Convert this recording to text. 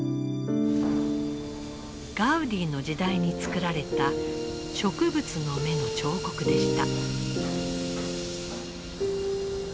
ガウディの時代に作られた植物の芽の彫刻でした。